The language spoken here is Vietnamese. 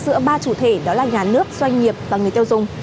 giữa ba chủ thể đó là nhà nước doanh nghiệp và người tiêu dùng